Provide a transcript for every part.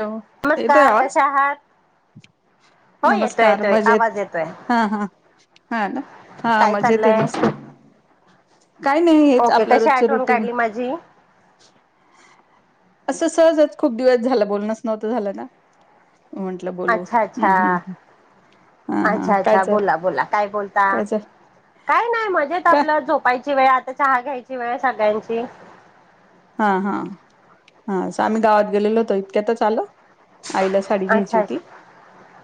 हम येतोय नमस्कार आवाज कसे आहात हो येतोय नमस्कार येतोय आवाज मजेत येतोय हा- हा- हा ना हा काय मजेत चाललंय मस्कार ह [inaudible] काय नाही हेच ओके आपलं कशी रोजच आठवण रुटीन काढली [inaudible] माझी असं सहजच खूप दिवस झाल, बोलणच नव्हतं झालं ना म्हंटलं बोलू अच्छा अच्छा हम्म- हम्म... हा हा अच्छा काय -अच्छा चाल बोला -बोला काय बोलता काय चाल काय नाही मजेत काय आपल झोपायची वेळ आता चहा घ्यायची वेळ सगळ्यांची हा- हा -हा आम्ही गावात गेलेलो होतो इतक्याच तर चालो आईला साडी घ्यायची अच्छा अच्छा होती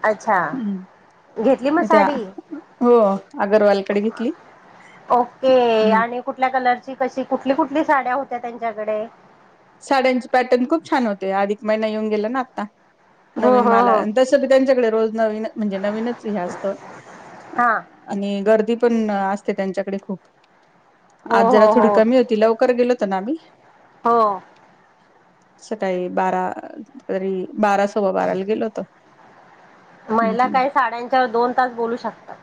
अच्छा हम्म [inaudible] मग त्या साडी हो अगरवालीकडे घेतली ओके हम्म आणि कुठल्या कलरची कशी कुठली -कुठली साड्या होत्या त्यांच्याकडे साड्यांनचे पॅटर्न खूप छान होते अधिक महिना येऊन गेला ना आता हो नवीन हो माला हो आणि तस त्यांच्याकडे रोज नवीन म्हणजे नवीनच हे असतं हा आणि [unintelligible] गर्दी [unintelligible] पण असते त्यांच्याकडे खूप हो आज जरा हो थोडी हो कमी होती लवकर गेलो होत ना आम्ही हो अ सकाळी बारा घरी बारा सोवा बाराला गेलो होतो महिला काय साड्यांच्यावर दोन तास बोलू शकतात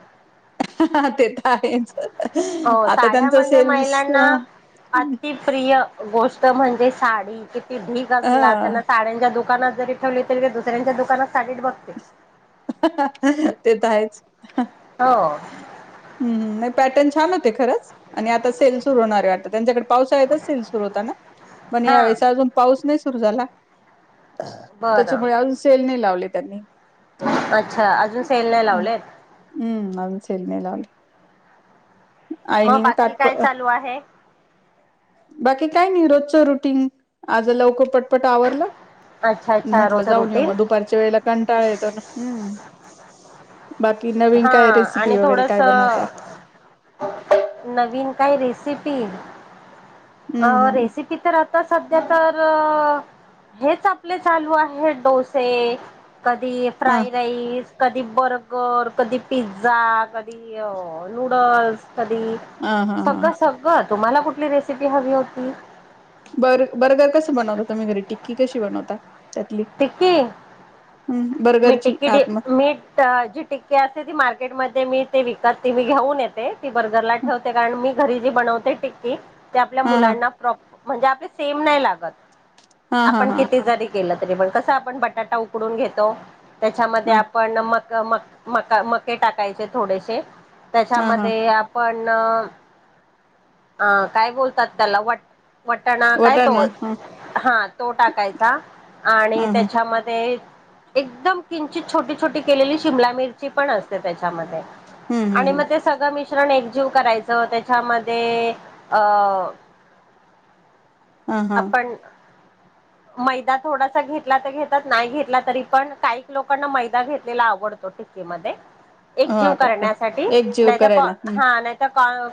हा [inaudible] ते तर आहेच हो आता साड्या त्यांचा म्हणजे सेल्स महिलांना अति प्रिय गोष्ट तर म्हणजे साडी किती ठिग असला हा त्यांना साड्यांच्या दुकानात जरी ठेवली तरीही दुसऱ्यांच्या दुकानात [unintelligible] ते [inaudible] तर आहेच हो हम्म नाही पॅटन [unintelligible] छान होते खरंच आणि आता सेल सुरू होणार वाटत त्यांच्याकडे पावसाळतच सेल सुरु होता ना पण या हा वेळे अजून पाऊस नाही सुरु झाला [inaudible] बरं त्याच्यामुळे अजून सेल नाही लावले त्यांनी म् अच्छा अजून सेल नाही लावलेत हम् अूनु सरी मलाले- [unintelligible] मग आयनीने बाकी ताटप काय चालू आहे बाकी काय नाही रोजच रुटीन आज लवकर पट पट आवरलं अच्छा अन् अच्छा म्हटलं रोज जाऊन येऊ रुटीन मग दुपारच्या वेळेला कंटाळा येतो ना. बाकी नवीन हा काय रेसिपी आणि वगैरे थोडस काय बनवता नवीन काय रेसिपी अ हम्म हम्म रेसिपी तर आ आता सध्या तर हेच आपले चालू आहेत डोसे. कधी हा फ्राई राईस, कधी बर्गर कधी पिझ्झा, कधी अ नूडल्स, कधी हा हा हा सगळं सगळंच. तुम्हाला कुठली रेसिपी हवी होती? बर बर्गर कसं बनवता तुम्ही घरी टिक्की कशी बनवता? त्यातली टिक्की हम मी बर्गरची टिक्की आत मग मी जी टिक्की असे ती मार्केट मार्केट मध्ये मिळते विकत ती मी घेऊन येते ती बर्गरला ठेवते कारण मी घरी जी बनवते टिक्की ते आपल्या हा हा मुलांना प्रप म्हणजे आपले सेम नाही लागत. हा हा आपण हा किती जरी केल कस आपण बटाटा उकडून घेतो त्याच्यामध्ये ह आपण का मक म मके टाकायचे थोडेसे हा हा त्याच्यामध्ये आपण अ काय बोलतात त्याला वाट वटाणा काय तो वटाणा ह ह हा तो टाकायचा आणि ह त्याच्यामध्ये एकदम किंचित छोटी छोटी केलेली शिमला मिरची पण असते त्याच्यामध्ये हम्म आणि हम् मग ते सगळं मी मिश्रण एकजीव करायचं त्याच्यामध्ये अ ह हा हा आपण मैदाात थोडासा घेतला तर घेतात नाही घेतला तरी पण काही लोकांना मैदा घेतलेला आवडतो टिक्की मधे हा एकजीव करते करण्यासाठी एक जीव नाहीतर करायला हम्म हा नाहीतर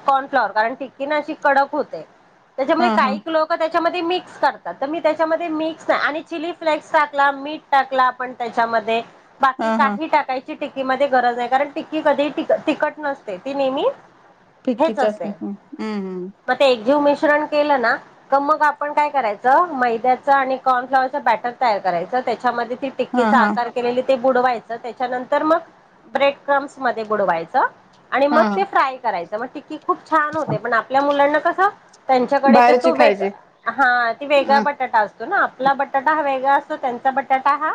कॉर्नफ्लॉवर कारण टिक्की ना अशी कडक होते. हा त्याच्यामुळे हा काही लोक त्याच्यामध्ये मिक्स करतात तर मी त्याच्यामध्ये मिक्स नाही आणि चिली फ्लेक्स टाकला, मीठ टाकला आपण त्याच्यामध्ये बाकी हा हा काही टाकाय टिक्कीमध्ये गरज आहे कारण टिक्की कधी तिकट नसते ती नेहमी हेच फिक्कीच असते हम्म हम्म म ते एकजीव मिश मिश्रण केलं ना क मग आपण काय करायचं मैद्याचं आणि कॉर्नफ्लॉवरच बॅटर तयार करायच त्याच्यामध्ये ती हा टिक्कीचा हा आकार केलेली ते बुडवायचं त्याच्यानंतर मग ब्रेड क्रम्स मध्ये बुडवायचं आणि हा मग हा ते फ्राय करायचं मग टिक्की खूप छान होते पण आपल्या मुलांना कसं त्यांच्याकडे ते बाहेरची तो वेग खायची हा ते वेगळा ह बटाटा असतो ना आपला बटा बटाटा हा वेगळा असतो त्यांचा बटाटा हा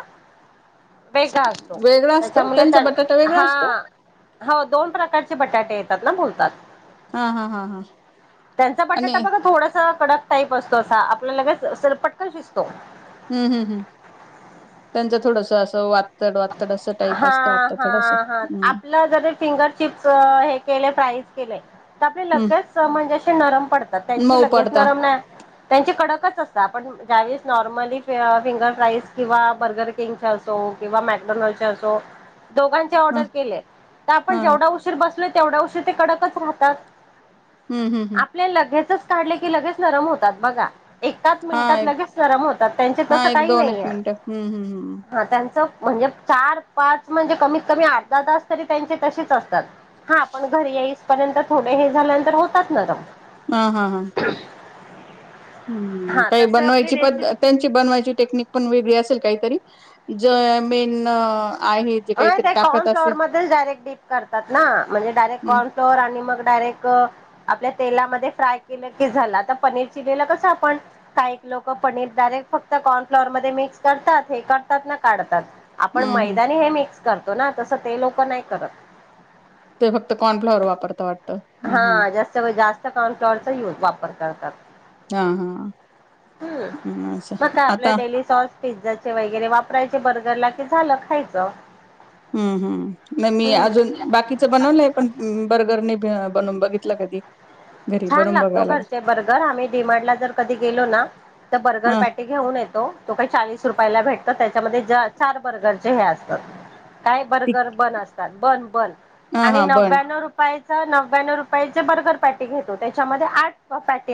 वेगळा असतो वेगळा असतो त्याच्यामुळे त्यांचा त्यां बटाटा वेगळा हा असतो हो दोन प्रकारचे बटाटे येतात ना बोलतात. हा हा हा हा त्यांचा आणि बटाटा बघा थोडस- कडक टाईप असतो असा आपला लगेच स पटक शिजतो. हम्म हम् हम् त्यांच थोडस असं वा हा हा हा हम्म आपलं जरी फिंगर चिप्स हे केले प्राईज केलंय. आपले हम् लगेच म्हणजेे अशी नरम पडतात त्यांची मऊ लगेच पडता नरम नाही त्यांची कडकच अस आपण ज्यावेळेस नॉर्मली फ फिंगर फ्राईज किंवा बर्गर किंगच्या असो किंवा मॅकडोनलचे असो दोघांचे ह ऑर्डर केले तर आपण हा जेवढा उशीर बस तेवढ्या उशीर ते कडकच राहतात. हम्म हम्म हम्म आपले लगेचच काढले की लगेच नरम होतात बघा एकाच हा मिनिटात एक लगेच गरम होतात त्यांचे हा तसं एक काही दोन एक नाही आहे मिनिटं हम्म हम्म हम्म हा त्यांच म्हणजे चार, पाच म्हणजे कमीत कमी अर्धा तास तरी त्यांचे तसेच असतात हा आपण घरी येईस पर्यंत थोडे हे झाल्यानंतर होतात नरम. हा हा हा हम् हा काही तसे आपली बनवायची पण रेसिपी त्यांची बनवायची टेक्निक पण वेगळी असेल काहीतरी मेन जे नाही काहीतरी ते कॉन टाकत असेल फ्लोरमध्येचडयरेक्ट डीप करतात ना म्हणजे डायरेक्ट हम्म कॉर्न फ्लोर आणि मग डायरेक् द आपल्या तेलामध्ये फ्राय केलं की झालं तर पनीर चिलीला कसं आपण काही लोक पनीर डायरेक्ट फक्त कॉर्न फ्लॉअर मध्ये मिक्स करतात हे करतात ना काढतात आपण हम्म हम्म मैदानी हे मिक्स करतो ना तसं ते लोक नाही करत ते फक्त कॉन फ्लॉवर वापरता वाटत हा जास्त व जास्त कामच्यावरचाज वापर करतात हा हा हम् हम्म असं मग का आपल्या आता डेली सॉस पिझ्झाचे वगैरे वापर फरायचे बर्गरला की झालं खायचं हम्म हम्म नाही मी हम्म अजून बाकीच बनवलंय पण बर्गरने बनून बघितला कधी घरी छान बनवून लागतो बघायला लागेल घरचे बर्गर आम्ही डीमांड ला जर कधी गेलो ना तर बर्गर हा पॅटी घेऊन येतो त काही चाळीस रुपयाला भेटत त्याच्यामध्ये चार बर्गरचे हे असतात काय ती बर्गर बंद असतात बंद बंद हा आणि हा बन नव्याण्णव रुपये नव्या रुपयाे ज बर्गर पॅटी घेतो त्याच्यामध्ये आठ पॅटी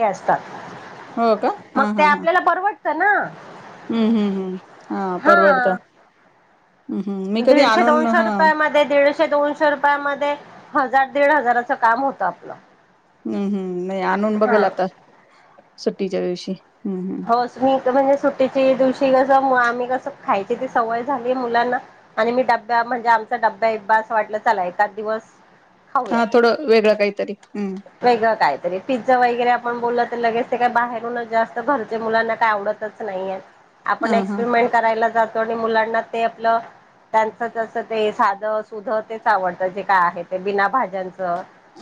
हो का असतात मग हा ते हा हा आपल्याला परवडत ना हम्म हम्म हम्म हा परवडत हम्म हम्म मी कधी दीडशे आणून ह दोनशे हम्म रुपयामध्ये दीडशे एकशे दोनशे रुपयामध्ये हजार दीड हजाराचं काम होत आपलं हम्म हम्म नाही आणून हा बघेल आता सुट्टीच्या दिवशी हम्म हम्म हो मी तर म्हणजे सुट्टी दिवशी कस आम्ही कस खायची ती सवय झाली मुलांना आणि मी ड म्हणजे आम ड मग असं वाटलं चला एखादा दिवस खाऊया हा थोडं वेगळं काहीतरी हम्म काहीतरी वेगळा पिझ्झा वगैरे पण बोललं तर लगेच ते काही बाहेरूनच जास्त घरच्या मुलांना काही आवडतच नाहीय हा आपण हा एक्सपेरिमेंट करायला जातो आणि मुलांना ते आपलं त्यांच जस ते साध सुध तेच आवडतं जे काय आहे ते बिना भाज्यांच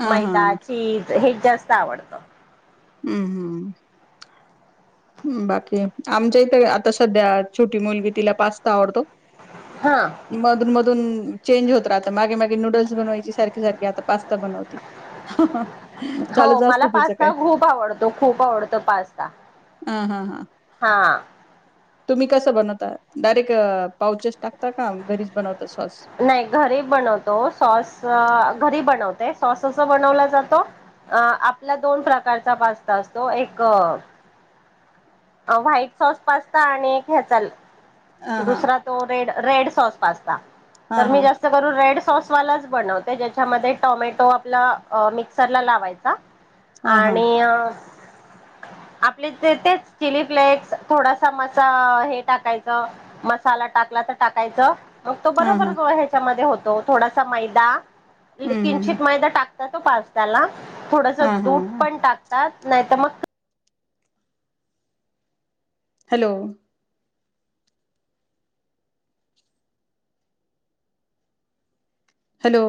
हा हा मैदा चीज हे जास्त आवडत हम्म हम्म बाकी आमच्या इथ आता सध्या छोटी मुलगी तिला पाचता आवडतो हा मधून मधून चेंज होत रा आता मागे मागे नूडल्स बनवायची सारखी सारखी आता पास्ता बनवती हो चालूच मला असतं तिचं पास्ता काय खूप आवडतो खूप आवडतो पास्ता ह हा हा हा तुम्ही कस बनवता डायरेक्ट पावच नाही घरी बनवतो सॉस घरी बनवतो ते सॉस अस बनवला जातो अ आपला दोन प्रकारचा पास्ता असतो एक व्हाईट सॉस पास्ता आणि एक ह्या चाल हा हा दुसरा तो रेड रेड सॉस पास्ता हा तर हा मी जास्त कर रेड सॉसवालाच बनवते ज्याच्यामध्ये टोमॅटो आपला मिक्सर ला लावायचा हा हा आणि आपले तेच चिली फ्लेक्स थोडासा मसा हे टाकायचं मसाला टाकला तर टाकायचं मग तो हा बरोबर हा ह्याच्यामध्ये होतो थोडासा मैदा हम्म हम्म किंचित मैदा टाकतो स्ता्याला थोडस हा हा दूध हा पण टाकतात नाहीत मग हॅलो हॅलो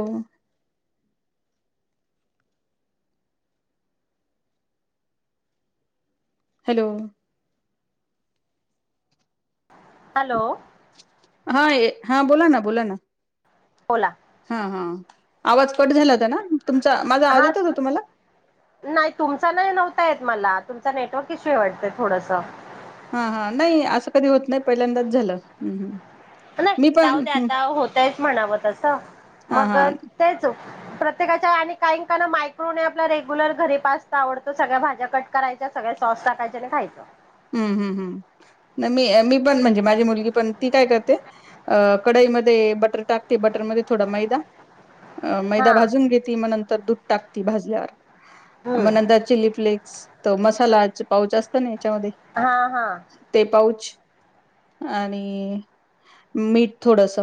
हॅलो हॅलो. हा ए हा बोला ना बोला ना. बला. हा हा आवाज कट झाला होता ना तुमचा माझा आवाज येतोय का तुम्हाला? नाई तुमचा नाई नव्हता येत मला तुमचा नेटवर्क इशु ए वाटत थोडस. हा हा नाई असं कधी होत नाई पहिल्यांदाच झालं हम्म हम्. नाई जाऊद्या आता होतयच म्हणाव तस हा मग हा ते च प्रत्येकाच्या आणि काइन का मायक्रोने आपला रेग्युलर घरी पास्ता आवडतो सगळ्या भाज्या कट करायच च सगळे सॉस टाकायच णि खायचं. हम्म हम्म हम्म नाय मी मी पण म्हणजे माझी मुलगी पण ती काय कर ते अ कडाईमध्ये बटर टाकते बटर मध्ये थोडा मैदा मैदा हा भाजून घेत म नं तर दुध टाकती भाजल्यावर म हम्म नंतर चिली फ्लिक्स तो मसाला च पाऊच आ पण हेच्यामध्ये हा हा. पाऊच आणि मीठ थोडस.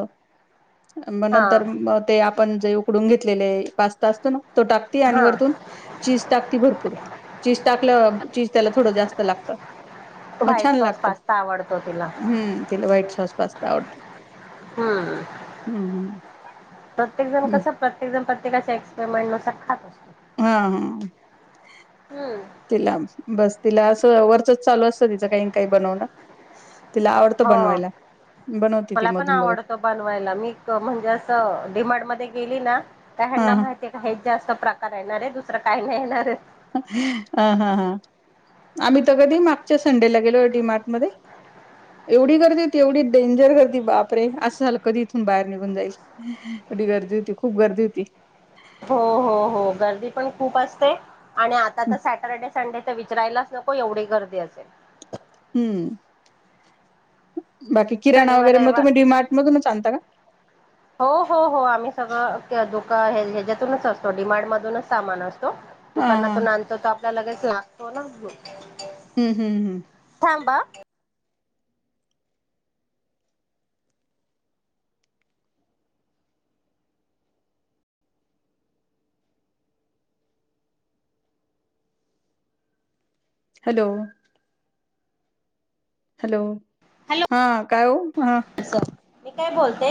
मग हा नंतर मग ते आपण जे उकडून घेतलेले पास्ता असतो ना तो टाकती आणि हा वरतून चीज टाकती भरपूर चीज टाकल्या चीज त्याला थोडं जास्त लागतं. मग व्हाईट छान सॉस लागतं पास्ता आवड हम्म तिला व्हाईट सॉस पास्ता आवडतो. हां. हम्म हं. प्रत्येक जण कसं प्रत्येक जण प्रत्येकाच्या एक्सपेरिमेंट नुसार खात असतो. हा अ हम्म तीला बस तिला असं वरचच चालू असतं तिचं काइना काई बनवणं तिला आवडतं हो बनवायला. बनवते ती मला पण मधून मधून आवडत बनवायला मी म्हणजे असं डी मार्ट म गेली ना का हा हेंना हा माहितीए का हे जास्त प्रकार येणाराय दुसरं काही नाय येणार अ हा हा. आम्ही तर कधी मागच्या संडेला गेलोय डी मार्ट मध्ये. एवढी गर्दी होती एवढी डेंजर गर्दी बापरे असं झालं कधी इथून बाहेर निघून जाईल. वडी गर्दी होती खूप गर्दी होती. हो हो हो गर्दी पण खूप असते आणि आता तर सॅटर्डे संडे विचरायलाच नको एवढी गर्दी असेल. हम्म. बाकी किराणा शनिवार वगैरे म रविवार तुम्ही डि मार्ट मधूनच आणता का? हो हो हो आम्ही सगळं त्या दुका हे ह्याच्यातूनच असतो डि मार्ट मधूनच सामान अस तो हा हा दुकानातुन आणतो तो आपला लगेच लागतो ना. हम्म हम्म हम्म. थांबा. हॅलो. हॅलो हा काय ओ हा. मी काय बोलते.